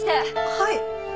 はい。